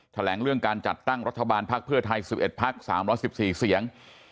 แถลงเรื่องการจัดตั้งรัฐบาลภักดิ์เพื่อไทย๑๑พัก๓๑๔เสียง